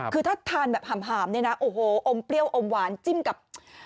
คือถ้าทานแบบหามเนี่ยนะโอ้โหอมเปรี้ยวอมหวานจิ้มกับ